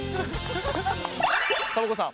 サボ子さん